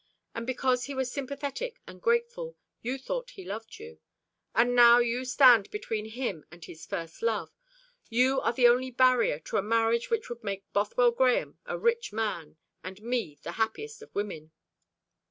And because he was sympathetic and grateful you thought he loved you; and now you stand between him and his first love. You are the only barrier to a marriage which would make Bothwell Grahame a rich man, and me the happiest of women."